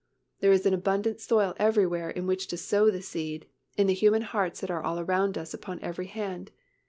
There is abundant soil everywhere in which to sow the seed, in the human hearts that are around about us upon every hand.